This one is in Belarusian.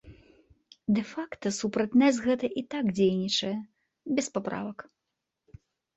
Дэ-факта супраць нас гэта і так дзейнічае, без паправак.